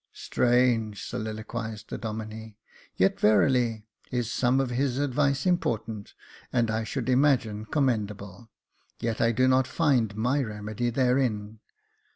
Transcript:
" Strange," soliloquised the Domine. " Yet, verily, is some of his advice important, and I should imagine commendable, yet I do not find my remedy therein.